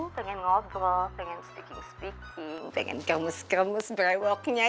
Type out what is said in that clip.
pengen ngobrol pengen speaking speaking pengen kermus kermus brewoknya